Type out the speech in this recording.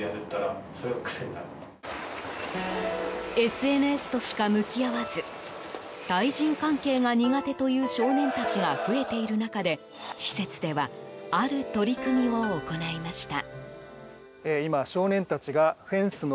ＳＮＳとしか向き合わず対人関係が苦手という少年たちが増えている中で施設ではある取り組みを行いました。